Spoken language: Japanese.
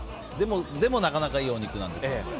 でも、なかなかいいお肉なので。